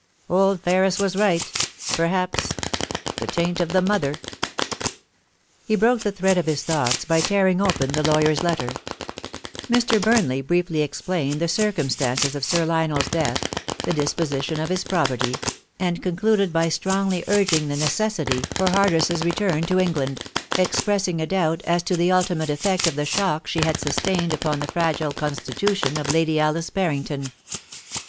Old Ferris was right, perhaps ; the taint of the mother ' He broke the thread of his thoughts by tearing open the lawyer's letter. Mr. Burnley briefly explained the circum stances of Sir Lionel's death, the disposition of his property, and concluded by strongly urging the necessity for Hard NEWS BY THE MAIL. 337 ress's return to England, expressing a doubt as to the ulti mate effect of the shock she had sustained upon the fragile constitution of Lady Alice Barrington.